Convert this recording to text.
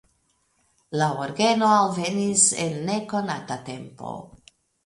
La orgeno alvenis en nekonata tempo.